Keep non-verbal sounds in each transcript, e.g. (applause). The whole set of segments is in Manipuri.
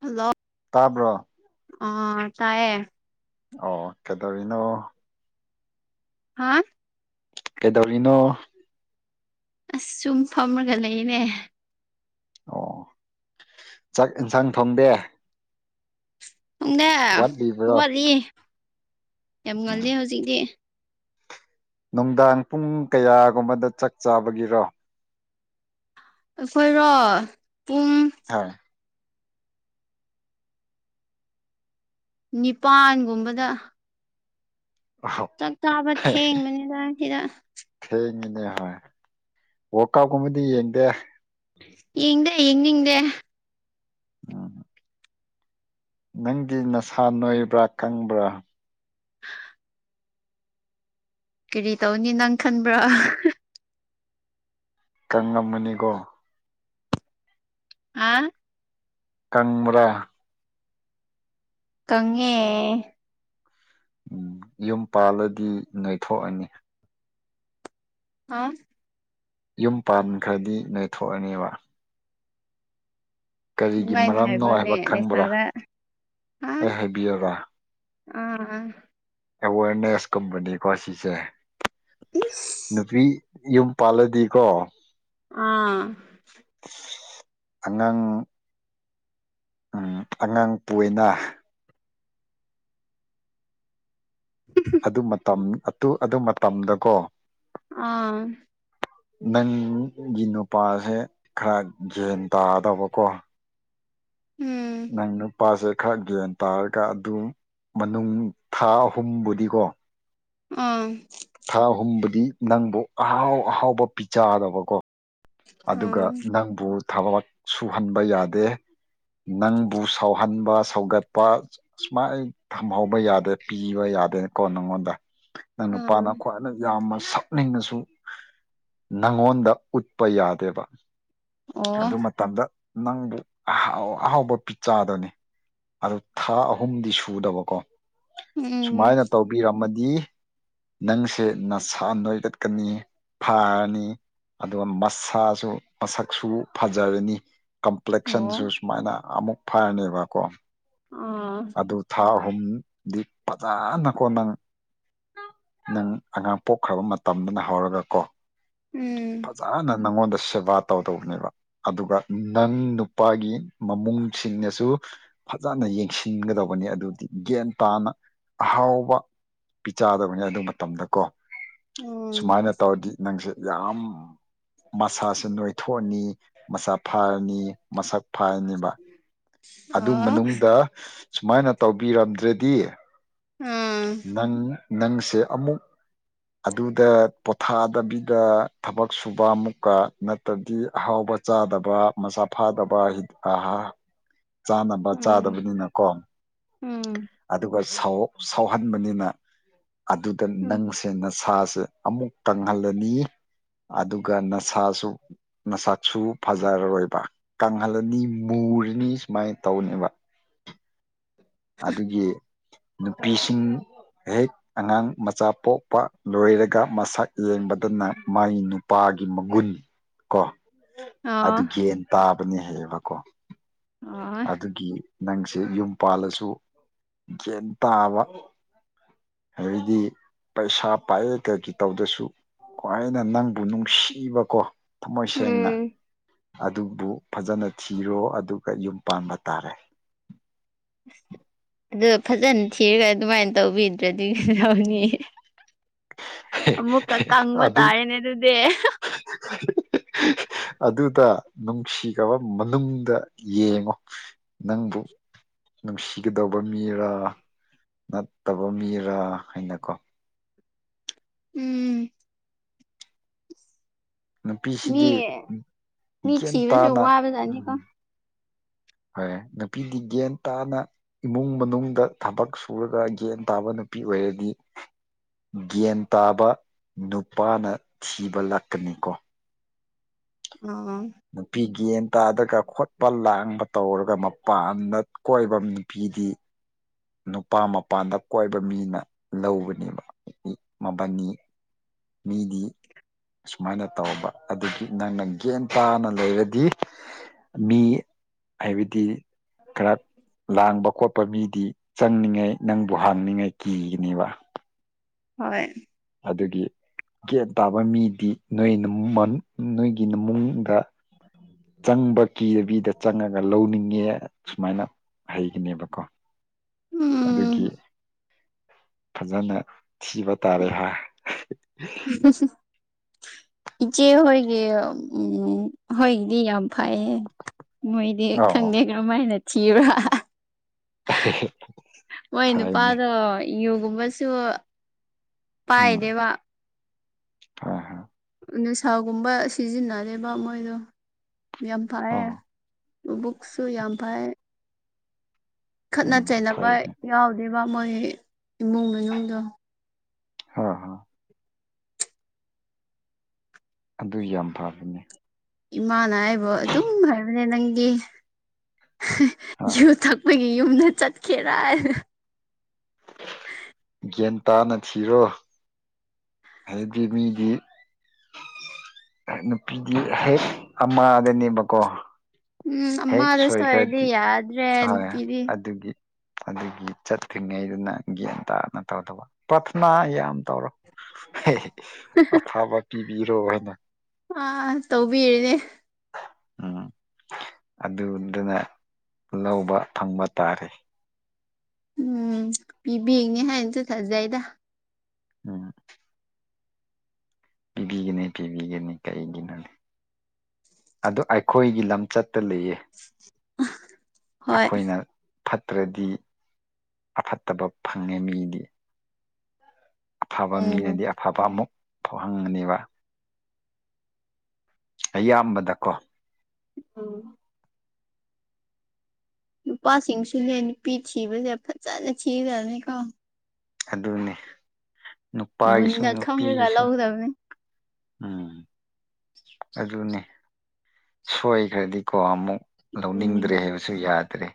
ꯍꯜꯂ ꯇꯥꯕ꯭ꯔꯣ ꯑ ꯇꯥꯏꯌꯦ ꯑꯣ ꯀꯦꯗꯔꯤꯅꯣ ꯍꯥ ꯀꯩꯗꯧꯔꯤꯅꯣ ꯑꯁ ꯁꯨꯝ ꯐꯝꯃꯒ ꯂꯩꯅꯦ ꯑꯣ ꯆꯥꯛ ꯌꯦꯟꯁꯥꯡ ꯊꯣꯡꯗꯦ ꯪꯅꯦ ꯋꯥꯠꯂꯤꯕ꯭ꯔꯣ ꯋꯥꯠꯂꯤ ꯌꯥꯝ ꯎꯝ ꯉꯜꯂꯦ ꯍꯧꯖꯤꯛꯇꯤ ꯅꯨꯡꯗꯥꯡ ꯄꯨꯡ ꯀꯌꯥꯒꯨꯝꯕꯗ ꯆꯥꯛ ꯆꯥꯕꯒꯤꯔꯣ ꯑꯩꯈꯣꯏꯔꯣ ꯄꯨꯡ ꯍꯣꯏ ꯅꯤꯄꯥꯟꯒꯨꯝꯕꯗ ꯑꯣ ꯆꯥꯛ ꯆꯥꯕ ꯊꯦꯡꯕꯅꯤꯅ ꯁꯤꯗ ꯅꯦ ꯍꯣꯏ ꯋꯔꯛ ꯑꯥꯎꯠꯀꯨꯝꯕꯗꯤ ꯌꯦꯡꯗꯦ ꯌꯦꯗꯦ ꯌꯦꯡꯗꯦ ꯑ ꯅꯪꯗꯤ ꯅꯁꯥ ꯅꯣꯏꯕ꯭ꯔꯥ ꯀꯪꯕ꯭ꯔꯥ (unintelligible) ꯀꯔꯤ ꯇꯧꯅꯤ ꯅꯪ ꯈꯟꯕ꯭ꯔꯥ ꯀꯪꯉꯝꯃꯅꯤꯒꯣ ꯑ ꯀꯪꯕꯔꯥ ꯀꯉꯦ ꯎꯝ ꯌꯨꯝ ꯄꯥꯜꯂꯗꯤ ꯅꯣꯏꯊꯣꯛꯑꯅꯤ ꯑ ꯌꯨꯝ ꯄꯥꯟꯈ꯭ꯔꯗꯤ ꯅꯣꯏꯊꯣꯛꯑꯅꯦꯕ ꯀꯔꯤꯒꯤ ꯑꯗꯨꯃꯥꯏꯅ ꯃꯔꯝꯅꯣ ꯍꯥꯏꯕ꯭ꯔꯣꯅꯦ ꯍꯥꯏꯕ ꯈꯪꯕ꯭ꯔꯥ ꯅꯁꯥꯗ ꯑ ꯑꯩ ꯍꯥꯏꯕꯤꯌꯔꯥ ꯑꯥ ꯑꯦꯋꯥꯔꯅꯦꯁ ꯀꯨꯝꯕꯅꯤꯀꯣ ꯁꯤꯁꯦ ꯏꯁ ꯅꯨꯄꯤ ꯌꯨꯝ ꯄꯂꯦꯗꯤꯀꯣ ꯑꯥ ꯑꯉꯥꯡ ꯎꯝ ꯑꯉꯥꯡ ꯄꯣꯛꯑꯦꯅ ꯑꯗꯨ ꯃꯇꯝ ꯑꯗꯨ ꯑꯗꯨ ꯃꯇꯝꯗꯀꯣ ꯑꯥ ꯅꯪꯒꯤ ꯅꯨꯄꯥꯁꯦ ꯈꯔ ꯒ꯭ꯌꯥꯟ ꯇꯥꯗꯕꯀꯣ ꯎꯝ ꯅꯪꯅ ꯄꯁ ꯈꯔ ꯒ꯭ꯌꯥꯟ ꯇꯥꯔꯒ ꯑꯗꯨ ꯃꯅꯨꯡ ꯊꯥ ꯑꯍꯨꯝꯕꯨꯗꯤꯀꯣ ꯑꯥ ꯊꯥ ꯍꯨꯝꯕꯗꯤ ꯅꯪꯕꯨ ꯑꯍꯥꯎ ꯑꯍꯥꯎꯕ ꯄꯤꯖꯥꯗꯕꯀꯣ ꯑꯥ ꯑꯗꯨꯒ ꯅꯪꯕꯨ ꯊꯕꯛ ꯁꯨꯍꯟꯕ ꯌꯥꯗꯦ ꯅꯪꯕꯨ ꯁꯥꯎꯍꯟꯕ ꯁꯧꯒꯠꯄ ꯁꯨꯃꯥꯏ ꯊꯝꯍꯧꯕ ꯌꯥꯗꯦ ꯄꯤꯕ ꯌꯥꯗ ꯌꯥꯗꯅꯤ ꯀꯣꯟꯅꯉꯣꯗ ꯅꯪ ꯑꯥ ꯅꯨꯄꯥꯅ ꯈ꯭ꯋꯥꯏꯅ ꯌꯥꯝꯅ ꯁꯛꯅꯤꯡꯉꯁꯨ ꯅꯪꯉꯣꯟꯗ ꯎꯠ ꯄ ꯌꯥꯗꯦꯕ ꯑꯣ ꯑꯗꯨ ꯃꯇꯝꯗ ꯅꯪꯕꯨ ꯑꯍꯥꯎ ꯑꯍꯥꯎꯕ ꯄꯤꯆꯥꯗꯨꯅꯤ ꯑꯗꯨ ꯊꯥ ꯑꯍꯨꯝꯗꯤ ꯁꯨꯗꯕꯀꯣ ꯎꯝ ꯑꯣ ꯎꯝ ꯑꯣ ꯁꯨꯃꯥꯏꯅ ꯇꯧꯕꯤꯔꯝꯃꯗꯤ ꯅꯪꯁꯦ ꯅꯁꯥ ꯅꯣꯏꯒꯠꯀꯅꯤ ꯐꯥꯔꯅꯤ ꯑꯗꯨꯒ ꯃꯁꯥꯁꯨ ꯃꯁꯛꯁꯨ ꯐꯖꯔꯅꯤ ꯀꯝꯄ꯭ꯂꯦꯛꯁꯟꯁꯨ ꯁꯨꯃꯥꯏꯅ ꯑꯃꯨꯛ ꯐꯔꯅꯦꯕꯀꯣ ꯑꯗꯨ ꯊꯥ ꯑꯍꯨꯝꯗꯤ ꯐꯖꯅ ꯀꯣꯟ ꯅꯪ ꯅꯪ ꯑꯉꯥꯡ ꯄꯣꯛꯈ꯭ꯔꯕ ꯃꯇꯝꯗꯅ ꯍꯧꯔꯒ ꯀꯣ ꯎꯝ ꯐꯖꯅ ꯅꯪꯉꯣꯟꯗ ꯁꯦꯕꯥ ꯇꯧꯗꯧꯕꯅꯦꯕ ꯑꯗꯨꯒ ꯅꯪ ꯅꯨꯄꯥꯒꯤ ꯃꯃꯨꯡꯁꯤꯡꯅꯁꯨ ꯐꯖꯅ ꯌꯦꯡꯁꯤꯟꯒꯗꯕꯅꯤ ꯑꯗꯨꯗꯤ ꯒ꯭ꯌꯥꯟ ꯇꯥꯅ ꯑꯍꯥꯎꯕ ꯄꯤꯆꯥꯗꯕꯅꯤ ꯑꯗꯨ ꯃꯇꯝꯗꯀꯣ ꯁꯨꯃꯥꯏꯅ ꯇꯧꯔꯗꯤ ꯅꯪꯁꯦ ꯌꯥꯝ ꯃꯁꯥꯁꯨ ꯅꯣꯏꯊꯣꯛꯑꯅꯤ ꯃꯁꯥ ꯐꯥꯔꯅꯤ ꯃꯁꯛ ꯐꯔꯅꯤꯕ ꯑꯗꯨ ꯃꯅꯨꯡꯗ ꯁꯨꯃꯥꯏꯅ ꯇꯧꯕꯤꯔꯝꯗ꯭ꯔꯗꯤ ꯑꯝ ꯅꯪ ꯅꯪꯁꯦ ꯑꯃꯨꯛ ꯑꯗꯨꯗ ꯄꯣꯊꯥꯗꯕꯤꯗ ꯊꯕꯛ ꯁꯨꯕ ꯑꯃꯨꯛꯀ ꯅꯠꯇ꯭ꯔꯗꯤ ꯑꯍꯥꯎꯕ ꯆꯥꯗꯕ ꯃꯁꯥ ꯐꯥꯗꯕ ꯍꯤ ꯆꯥꯅꯕ ꯎꯝ ꯆꯥꯗꯕꯅꯤꯅꯀꯣ ꯎꯝ ꯑꯗꯨꯒ ꯁꯧ ꯁꯥꯎꯍꯟꯕꯅꯤꯅ ꯑꯗꯨꯗ ꯎꯝ ꯅꯪꯁꯦ ꯅꯁꯥꯁꯦ ꯑꯃꯨꯛ ꯇꯪꯍꯜꯂꯅꯤ ꯑꯗꯨꯒ ꯅꯁꯥꯁꯨ ꯅꯁꯛꯁꯨ ꯐꯖꯔꯔꯣꯏꯕ ꯀꯪꯍꯜꯂꯅꯤ ꯃꯨ ꯔꯅꯤ ꯁꯨꯃꯥꯏꯅ ꯇꯧꯅꯦꯕ ꯑꯗꯨꯒꯤ ꯅꯨꯄꯤꯁꯤꯡ ꯍꯦꯛ ꯑꯉꯥꯡ ꯃꯆꯥ ꯄꯣꯛꯄ ꯂꯣꯏꯔꯒ ꯃꯁꯛ ꯌꯦꯡꯕꯗꯅ ꯃꯥꯏ ꯅꯨꯄꯥ ꯒꯤ ꯃꯒꯨꯟ ꯀꯣ ꯑꯗꯨ ꯑꯣ ꯒꯦꯟ ꯇꯥꯕꯅꯦ ꯍꯥꯏꯌꯦꯕꯀꯣ ꯑꯣ ꯑꯗꯨꯒꯤ ꯅꯪꯁꯦ ꯌꯨꯝ ꯄꯥꯜꯂꯁꯨ ꯒꯦꯟ ꯇꯥꯕ ꯑꯗꯩꯗꯤ ꯄꯩꯁꯥ ꯄꯥꯏꯔꯦ ꯀꯩꯩ ꯇꯧꯗ꯭ꯔꯁꯨ ꯈ꯭ꯋꯥꯏꯅ ꯅꯪꯕꯨ ꯅꯨꯡꯁꯤꯕꯀꯣ ꯊꯃꯣꯏ ꯁꯦꯡꯅ ꯎꯝ ꯑꯗꯨꯕꯨ ꯐꯖꯅ ꯊꯤꯔꯣ ꯑꯗꯨꯒ ꯌꯨꯝ ꯄꯥꯟꯕ ꯇꯥꯔꯦ (inaudible) (inaudible) ꯑꯗꯨ ꯐꯖꯅ ꯊꯤꯔꯒ ꯑꯗꯨꯃꯥꯏꯅ ꯇꯧꯕꯤꯗ꯭ꯔꯗꯤ ꯀꯩꯗꯧꯅꯤ ꯑꯃꯃꯨꯛꯀ ꯀꯪꯕ ꯇꯥꯔꯦꯅꯦ ꯑꯗꯨ ꯗꯤ ꯑꯗꯨꯇ ꯅꯨꯡꯁꯤꯒꯕ ꯃꯅꯨꯡꯗ ꯌꯦꯡꯉꯣ ꯅꯪꯕꯨ ꯅꯨꯡꯁꯤꯒꯗꯧꯕ ꯃꯤꯔꯥ ꯅꯠꯇꯕ ꯃꯤꯔ ꯍꯥꯏꯅꯀꯣ ꯎꯝ ꯃꯤ ꯅꯨꯄꯤꯁꯤꯗꯤ ꯃꯤ ꯒ꯭ꯌꯥꯟ ꯊꯤꯕꯁꯨ ꯇꯥꯅ ꯎꯝ ꯋꯥꯕꯖꯥꯠꯅꯤꯀꯣ ꯍꯣꯏ ꯅꯨꯄꯤꯗꯤ ꯒ꯭ꯌꯥꯟ ꯇꯥꯅ ꯏꯃꯨꯡ ꯃꯅꯨꯡꯗ ꯊꯕꯛ ꯁꯨ ꯁꯨꯔꯒ ꯒꯦꯟ ꯇꯥꯕ ꯅꯨꯄꯤ ꯑꯣꯏꯔꯗꯤ ꯒꯦꯟ ꯇꯥꯕ ꯅꯨꯄꯥꯅ ꯊꯤꯕ ꯂꯥꯛꯀꯅꯤꯀꯣ ꯑꯥ ꯅꯨꯄꯤꯒꯦꯝ ꯇꯥꯗꯒ ꯈꯣꯠꯄ ꯂꯥꯡꯕ ꯇꯧꯔꯒ ꯃꯄꯥꯟꯗ ꯀꯣꯏꯕ ꯅꯨꯄꯤꯗꯤ ꯅꯨꯄꯥ ꯃꯄꯥꯟꯗ ꯀꯣꯏꯕ ꯃꯤꯅ ꯂꯧꯕꯅꯦꯕ ꯃꯕꯥꯟꯅꯤ ꯃꯤꯗꯤ ꯁꯨꯃꯥꯏꯅ ꯇꯧꯕ ꯑꯗꯒꯤ ꯅꯪꯅ ꯒꯦꯟ ꯇꯥꯅ ꯂꯩꯔꯗꯤ ꯃꯤ ꯍꯥꯏꯕꯗꯤ ꯈꯔ ꯂꯥꯡꯕ ꯈꯣꯠꯄ ꯄ ꯃꯤꯗꯤ ꯆꯪꯅꯤꯡꯉꯥꯏ ꯅꯪꯕꯨ ꯍꯥꯡꯅꯤꯡꯉꯥꯏ ꯀꯤꯒꯅꯦꯕ ꯍꯣꯏ ꯑꯗꯨꯒꯤ ꯒꯦꯠ ꯇꯥꯕ ꯃꯤꯗꯤ ꯅꯣꯏ ꯅꯣꯏꯒꯤ ꯏꯃꯨꯡꯗ ꯆꯪꯕ ꯀꯤꯔꯕꯤꯗ ꯆꯪꯉꯒ ꯂꯧꯅꯤꯡꯉꯦ ꯁꯨꯃꯥꯏꯅ ꯍꯩꯒꯅꯦꯕꯀꯣ ꯎꯝ ꯑꯗꯨꯒꯤ ꯐꯖꯅ ꯊꯤꯕ ꯇꯥꯔꯦ ꯍꯥꯏ ꯏꯆꯦ ꯍꯣꯏꯒꯤ ꯎꯝ ꯍꯣꯏꯒꯤꯗꯤ ꯌꯥꯝ ꯐꯩꯌꯦ ꯃꯣꯏꯗꯤ ꯑꯧ ꯈꯪꯗꯦ ꯀꯔꯝꯃꯥꯏꯅ ꯊꯤꯕ ꯃꯣꯏ ꯐꯩꯅꯦ ꯅꯨꯄꯥꯗꯣ ꯌꯣꯒꯨꯝꯕꯁꯨ ꯄꯥꯏꯗꯦꯕ ꯍ ꯍ ꯅꯤꯁꯥꯒꯨꯝꯕ ꯁꯤꯖꯤꯟꯅꯗꯦꯕ ꯃꯣꯏꯗꯣ ꯌꯥꯝ ꯐꯩ ꯑꯣ ꯃꯕꯨꯛꯁꯨ ꯌꯥꯝ ꯐꯩ ꯈꯠꯅ ꯎꯝ ꯆꯩꯅꯕ ꯐꯩꯅꯦ ꯌꯥꯎꯗꯦꯕ ꯃꯣꯏ ꯏꯃꯨꯡ ꯃꯅꯨꯡꯗꯣ ꯍꯥꯥ ꯑꯗꯨ ꯌꯥꯝ ꯐꯕꯅꯤ ꯏꯃꯥꯅ ꯍꯥꯏꯕ ꯑꯗꯨꯝ ꯍꯥꯏꯕꯅꯦ ꯅꯪꯒꯤ ꯍꯥ ꯌꯨ ꯊꯛꯄꯒꯤ ꯌꯨꯝꯗ ꯆꯠꯀꯦꯔ ꯒꯦꯟ ꯇꯥꯅ ꯊꯤꯔꯣ ꯍꯥꯏꯗꯤ ꯃꯤꯗꯤ ꯅꯨꯄꯤꯗꯤ ꯍꯦꯛ ꯑꯃꯗꯅꯦꯕꯀꯣ ꯎꯝ ꯍꯦꯛ ꯑꯃꯗ ꯁꯣꯏꯔꯗꯤ ꯁꯣꯏꯈ꯭ꯔꯗꯤ ꯌꯥꯗ꯭ꯔꯦ ꯍꯣꯏ ꯅꯨꯄꯤꯗꯤ ꯑꯗꯨꯒꯤ ꯑꯗꯨꯒꯤ ꯆꯠꯇꯠꯇ꯭ꯔꯤꯉꯩꯗꯨꯅ ꯒ꯭ꯌꯥꯟ ꯇꯥꯅ ꯇꯧꯗꯕ ꯄ꯭ꯔꯊꯅꯥ ꯌꯥꯝ ꯇꯧꯔꯣ ꯑꯐꯕ ꯄꯤꯕꯤꯔꯣ ꯍꯥꯏꯅ ꯑꯥ ꯇꯧꯕꯤꯔꯤꯅꯦ ꯎꯝ ꯑꯗꯨꯗꯨꯅ ꯂꯧꯕ ꯐꯪꯕ ꯇꯥꯔꯦ ꯎꯝ ꯄꯤꯕꯤꯅꯤ ꯍꯥꯏꯅ ꯆꯠꯊꯥꯖꯩꯗ ꯎꯝ ꯄꯤꯕꯤꯒꯅꯤ ꯄꯤꯕꯤꯒꯅꯤ ꯀꯩꯒꯤꯅꯣꯅꯦ ꯑꯗꯨ ꯑꯩꯈꯣꯏꯒꯤ ꯂꯝꯆꯠꯇ ꯂꯩꯌꯦ ꯍꯣꯏ ꯑꯩꯈꯣꯏꯅ ꯐꯠꯇ꯭ꯔꯗꯤ ꯑꯐꯠꯇꯕ ꯐꯪꯉꯦ ꯃꯤꯗꯤ ꯑꯐꯕ ꯎꯝ ꯃꯤꯅꯗꯤ ꯑꯐꯕ ꯑꯃꯨꯛ ꯊꯣꯛꯥꯎꯍꯪꯒꯅꯦꯕ ꯑꯌꯥꯝꯕꯗꯀꯣ ꯑꯣ ꯅꯨꯄꯥꯁꯤꯡꯁꯨꯅꯦ ꯅꯨꯄꯤ ꯊꯤꯕꯁꯦ ꯐꯖꯅ ꯊꯤꯔꯅꯤꯀꯣ ꯑꯗꯨꯅꯤ ꯅꯨꯄꯥꯒꯤꯁꯨ ꯃꯨꯟꯅ ꯈꯪꯔꯒ ꯅꯨꯄꯤꯒꯤꯁꯨ ꯂꯧꯒꯗꯕꯅꯤ ꯎꯝ ꯑꯗꯨꯅꯤ ꯁꯣꯏꯈ꯭ꯔꯗꯤꯀꯣ ꯑꯃꯨꯛ ꯂꯧꯅꯤꯡꯗ꯭ꯔꯦ ꯎꯝ ꯍꯥꯏꯕꯁꯨ ꯌꯥꯗ꯭ꯔꯦ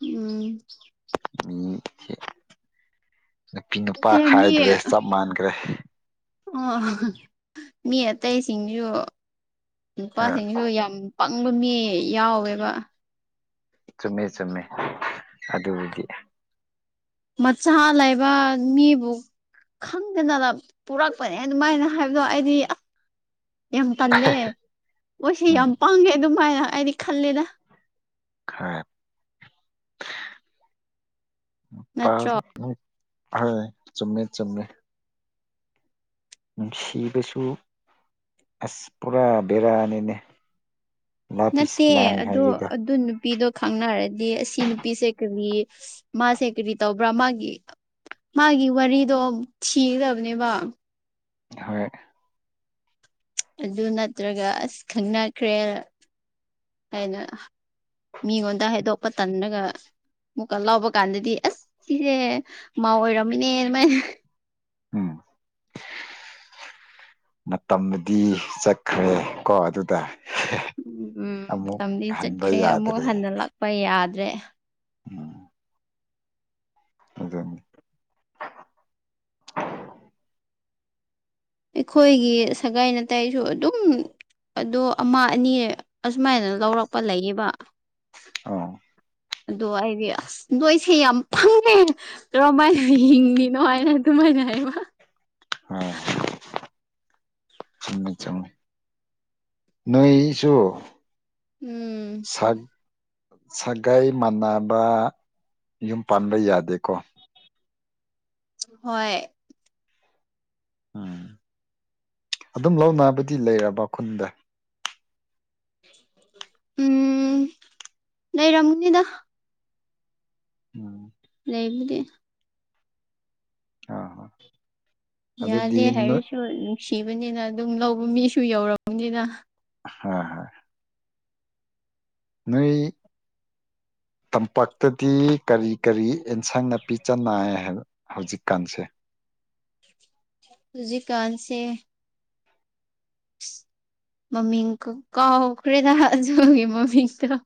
ꯎꯝ ꯎ ꯅꯨꯄꯤ ꯅꯨꯄꯥ ꯅꯠꯇꯦ ꯃꯤ ꯈꯥꯏꯗ꯭ꯔꯦ ꯆꯞ ꯃꯥꯟꯈ꯭ꯔꯦ ꯑꯣ ꯃꯤ ꯑꯇꯩꯁꯤꯡꯁꯨ ꯑ ꯅꯨꯄꯥꯁꯤꯡꯁꯨ ꯌꯥꯝ ꯄꯪꯕ ꯃꯤ ꯌꯥꯎꯋꯦꯕ ꯆꯨꯝꯃꯦ ꯆꯨꯝꯃꯦ ꯑꯗꯨꯗꯤ ꯃꯆꯥ ꯂꯩꯕ ꯃꯤꯕꯨ ꯈꯪꯗꯗꯅ ꯄꯨꯔꯛꯄꯅꯦ ꯑꯗꯨꯃꯥꯏꯅ ꯍꯥꯏꯕꯗꯣ ꯑꯩꯗꯤ ꯌꯥꯝ ꯇꯜꯂꯦ ꯃꯣꯏꯁꯦ ꯎꯝ ꯌꯥꯝ ꯄꯥꯡꯉꯦ ꯑꯗꯨꯃꯥꯏꯅ ꯑꯩꯗꯤ ꯈꯜꯂꯦꯗ ꯈ ꯅꯠꯇ꯭ꯔꯣ ꯍ ꯆꯨꯝꯃꯦ ꯆꯨꯝꯃꯦ ꯅꯨꯡꯁꯤꯕꯁꯨ ꯑꯁ ꯄꯨꯔꯥ ꯕꯦꯔꯥꯅꯤꯅꯦ ꯂꯥꯄꯤꯁ ꯅꯠꯇꯦ ꯂꯥꯏ ꯑꯗꯣ ꯍꯥꯏꯒꯦꯗꯣ ꯑꯗꯨ ꯅꯨꯄꯤꯗꯣ ꯈꯪꯅꯔꯗꯤ ꯑꯁꯤ ꯅꯨꯄꯤꯁꯦ ꯀꯔꯤ ꯃꯥꯁꯦ ꯀꯔꯤꯔꯤ ꯇ ꯑꯣꯕ꯭ꯔꯥ ꯃꯥꯒꯤꯦ ꯃꯥꯒꯤ ꯋꯥꯔꯤꯗꯣ ꯊꯤꯒꯗꯕꯅꯦꯕ ꯍꯣꯏ ꯑꯗꯨ ꯅꯠꯇ꯭ꯔꯒ ꯑꯁ ꯈꯪꯅꯈ꯭ꯔꯦ ꯍꯥꯏꯅ ꯃꯤꯉꯣꯟꯗ ꯍꯥꯏꯗꯣꯛꯄ ꯇꯟꯔꯒ ꯃꯨꯛꯀ ꯂꯥꯎꯕ ꯀꯥꯟꯗꯗꯤ ꯑꯁ ꯁꯤꯁꯦ ꯃꯥ ꯑꯣꯏꯔꯝꯃꯤꯅꯦ ꯑꯗꯨꯃꯥꯏꯅ ꯎꯝ ꯃꯇꯝꯗꯤ ꯆꯠꯈ꯭ꯔꯦ ꯀꯣ ꯑꯗꯨꯗ ꯎꯝ ꯎꯝ ꯑꯃꯨꯛ ꯃꯇꯝꯗꯤ ꯍꯟꯕ ꯆꯠꯈ꯭ꯔꯦ ꯑꯃꯨꯛ ꯌꯥꯗ꯭ꯔꯦ ꯍꯟꯅ ꯂꯥꯛꯄ ꯌꯥꯗ꯭ꯔꯦ ꯎꯝ ꯑꯗꯨꯅꯤ ꯑꯩꯈꯣꯏꯒꯤ ꯁꯒꯥꯏ ꯅꯥꯇꯥꯏꯁꯨ ꯑꯗꯨꯝ ꯑꯗꯣ ꯑꯃ ꯑꯅꯤ ꯑꯁꯨꯃꯥꯏꯅ ꯂꯧꯔꯛꯄ ꯂꯩꯌꯦꯕ ꯑ ꯑꯗꯨ ꯑꯩꯗꯤ ꯑꯁ ꯅꯣꯏꯁꯦ ꯌꯥꯝ ꯄꯪꯏ ꯀꯃꯥꯏꯅꯥ ꯍꯤꯡꯂꯤꯅꯣ ꯍꯥꯏꯅ ꯑꯗꯨꯝ ꯃꯅꯦ ꯍꯥꯏꯕ ꯑ ꯆꯨꯝꯃꯤ ꯆꯨꯨꯃꯃꯦ ꯅꯣꯏꯁꯨ ꯎꯝ ꯁꯛ ꯁꯒꯥꯏ ꯃꯥꯟꯅꯕ ꯌꯨꯝ ꯄꯥꯟꯕ ꯌꯥꯗꯦꯀꯣ ꯍꯣꯏ ꯎꯝ ꯑꯗꯨꯝ ꯂꯧꯅꯕꯗꯤ ꯂꯩꯔꯕ ꯈꯨꯟꯗ ꯎꯝ ꯂꯩꯔꯝꯅꯤꯗ ꯎꯝ ꯂꯩꯕꯨꯗꯤ ꯑꯥ ꯌꯥꯗꯦ ꯍꯥꯏꯔꯁꯨ ꯅꯨꯡꯁꯤꯕꯅꯤꯅ ꯑꯗꯨꯝ ꯂꯧꯕ ꯃꯤꯁꯨ ꯌꯧꯔꯝꯅꯤꯅ ꯍꯣꯏ ꯍꯣꯏ ꯅꯣꯏ ꯇꯝꯄꯥꯛꯇꯗꯤ ꯀꯔꯤ ꯀꯔꯤ ꯑꯦꯟꯁꯪ ꯅꯥꯄꯤ ꯆ ꯅꯥꯏ ꯍꯥꯏ ꯍꯧꯖꯤꯛꯀꯥꯟꯁꯦ ꯍꯧꯖꯤꯛ ꯀꯥꯟꯁꯦ ꯃꯃꯤꯡ ꯀꯥꯎꯈ꯭ꯔꯦꯗ ꯑꯦꯟꯁꯥꯡ ꯒꯤ ꯃꯃꯤꯡꯗꯣ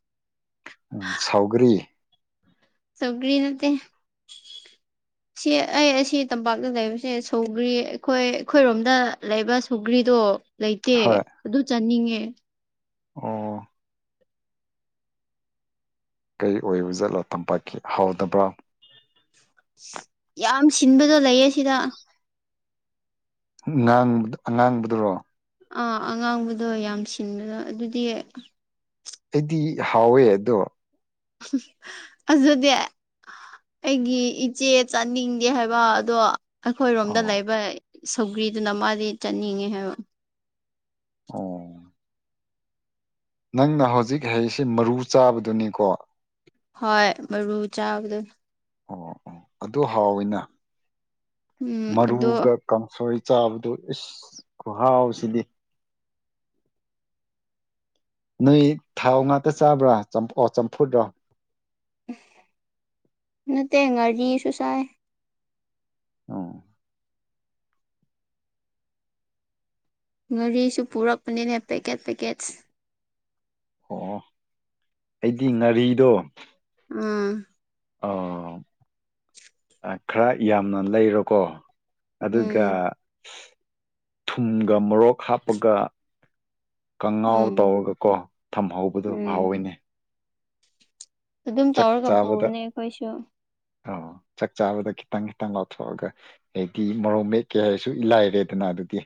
ꯎꯝ ꯁꯥꯎꯒꯔꯤ ꯁꯧꯒꯔꯤ ꯅꯠꯇꯦ (unintelligible) ꯁꯤ ꯑꯩ ꯑꯁꯤ ꯇꯝꯄꯥꯛꯇ ꯂꯩꯕꯁꯦ ꯁꯧꯒ꯭ꯔꯤ ꯑꯩꯈꯣꯏ ꯑꯩꯈꯣꯏꯔꯣꯝꯗ ꯂꯩꯕ ꯁꯧꯒ꯭ꯔꯤꯗꯣ ꯂꯩꯇꯦ ꯍꯣꯏ ꯑꯗꯨ ꯆꯥꯅꯤꯡꯉꯦ ꯑꯣ ꯀꯩ ꯑꯣꯏꯕꯥ ꯖꯠꯂꯣ ꯇꯝꯄꯥꯛꯀꯤ ꯍꯥꯎꯇꯥꯕꯔꯣ ꯌꯥꯝ ꯁꯤꯟꯕꯗꯣ ꯂꯩꯌꯦ ꯁꯤꯗ ꯉꯥꯡꯕ ꯑꯉꯥꯡꯕꯗꯨꯔꯣ ꯑꯥ ꯑꯉꯥꯡꯕꯗꯣ ꯌꯥꯝ ꯁꯤꯟꯕꯗꯣ ꯑꯗꯨꯗꯤ ꯑꯩꯗꯤ ꯍꯥꯎꯋꯦ ꯑꯗꯣ ꯑꯗꯨꯗꯤ ꯑꯩꯒꯤ ꯏꯆꯦ ꯆꯥꯅꯤꯡꯗꯦ ꯍꯥꯏꯕ ꯑꯗꯣ ꯑꯩꯈꯣꯏꯔꯣꯝꯗ ꯑꯣ ꯂꯩꯕ ꯁꯧꯒ꯭ꯔꯤꯗꯨꯅ ꯃꯥꯗꯤ ꯆꯥꯅꯤꯡꯉꯦ꯫ꯍꯥꯏꯕ ꯑꯣ ꯅꯪꯅ ꯍꯧꯖꯤꯛ ꯍꯩꯁꯤ ꯃꯔꯨ ꯆꯥꯕꯗꯨꯅꯤꯀꯣ ꯍꯣꯏ ꯃꯔꯨ ꯆꯥꯕꯗꯨ ꯑꯣ ꯑꯣ ꯑꯗꯨ ꯍꯥꯎꯋꯤꯅ ꯎꯝ ꯑꯗꯣ ꯃꯔꯨꯒ ꯀꯥꯡꯁꯣꯏ ꯆꯥꯕꯗꯣ ꯏꯁ ꯈꯍꯥꯎꯁꯤꯗꯤ ꯅꯣꯏ ꯊꯥꯎ ꯉꯥꯛꯇ ꯆꯥꯕ꯭ꯔꯥ ꯆꯝꯐꯨꯠꯔꯣ ꯅꯠꯇꯦ ꯉꯔꯤꯁꯨꯆꯥꯏ ꯑ ꯉꯥꯔꯤꯁꯨ ꯄꯨꯔꯛꯄꯅꯤꯅꯦ ꯄꯦꯀꯦꯠ ꯄꯦꯀꯦꯠꯁ ꯑꯣ ꯑꯩꯗꯤ ꯉꯥꯔꯤꯗꯣ ꯎꯝ ꯑꯣ ꯈꯔ ꯌꯥꯝꯅ ꯂꯩꯔꯣꯀꯣ ꯎꯝ ꯑꯗꯨꯒ ꯊꯨꯝꯒ ꯃꯣꯔꯣꯛ ꯍꯥꯞꯄꯒ ꯀꯉꯥꯎ ꯎꯝ ꯇꯧꯔꯒꯀꯣ ꯊꯝꯍꯧꯕꯗꯨ ꯎꯝ ꯍꯥꯎꯋꯏꯅꯦ ꯑꯗꯨꯝ ꯇꯧꯔꯒ ꯄꯨꯕꯅꯦ ꯑꯩꯈꯣꯏꯁꯨ ꯑ ꯆꯥꯛ ꯆꯥꯕꯗ ꯈꯤꯇꯪ ꯈꯤꯇꯪ ꯂꯥꯎꯊꯣꯛꯑꯒ ꯍꯥꯏꯗꯤ ꯃꯣꯔꯣꯛ ꯃꯦꯠꯀꯦ ꯍꯥꯏꯁꯨ ꯂꯥꯏꯔꯦꯗꯅ ꯑꯗꯨꯗꯤ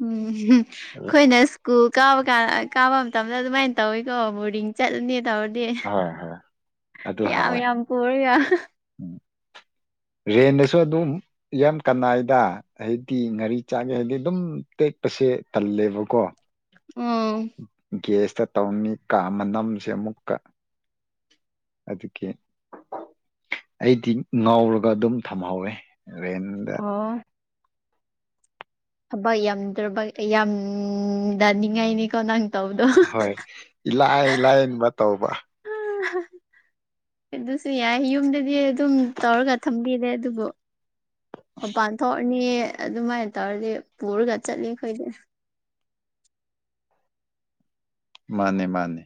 ꯎꯝ ꯑꯩꯈꯣꯏꯅ ꯁ꯭ꯀꯨꯜ ꯀꯥꯕ ꯀꯥꯟ ꯀꯥꯕ ꯃꯇꯝꯗ ꯑꯗꯨꯃꯥꯏꯅ ꯇꯧꯋꯤꯀꯣ ꯕꯣꯔꯗꯤꯡ ꯆꯠꯂꯅꯤ ꯇꯧꯔꯗꯤ ꯍꯣꯏ ꯍꯣꯏ ꯑꯗꯨ ꯌꯥꯝ ꯍꯥꯎꯋꯦ ꯌꯥꯝ ꯄꯨꯔꯒ ꯎꯝ ꯔꯦꯟꯗꯁꯨ ꯑꯗꯨꯝ ꯌꯥꯝ ꯀꯅꯥꯏꯗ ꯍꯥꯏꯗꯤ ꯉꯥꯔꯤ ꯆꯥꯛꯒꯦ ꯍꯥꯏꯕꯗꯤ ꯑꯗꯨꯝꯦꯛ ꯆꯠꯄꯁꯦ ꯇꯜꯂꯦꯕꯀꯣ ꯎꯝ ꯒꯦꯁꯇ ꯇꯧꯔꯝꯃꯤ ꯀꯥ ꯃ ꯅꯝꯁꯦ ꯑꯃꯨꯛꯀ ꯑꯗꯨꯒꯤ ꯑꯩꯗꯤ ꯉꯥꯎꯔꯒ ꯑꯗꯨꯝ ꯊꯝꯍꯧꯋꯦ ꯔꯦꯟꯗ ꯑꯣ ꯊꯕꯛ ꯌꯥꯝꯗ꯭ꯔꯕ ꯌꯥꯝꯗꯅꯤꯡꯉꯥꯏꯅꯤꯀꯣ ꯅꯪ ꯇꯧꯕꯗꯣ ꯍꯣꯏ ꯏꯂꯥꯏ ꯂꯥꯏꯟꯕ ꯇꯧꯕ ꯎꯝ ꯑꯗꯨꯁꯨ ꯌꯥꯏ ꯌꯨꯝꯗꯗꯤ ꯑꯗꯨꯝ ꯇꯧꯔꯒ ꯊꯝꯕꯤꯔꯦ ꯑꯗꯨꯕꯨ ꯃꯄꯥꯟ ꯊꯣꯛꯑꯅꯤ ꯑꯗꯨꯃꯥꯏꯅ ꯇꯧꯔꯗꯤ ꯄꯨꯔꯒ ꯆꯠꯂꯤ ꯑꯩꯈꯣꯏꯗꯤ ꯃꯥꯅꯦ ꯃꯥꯅꯦ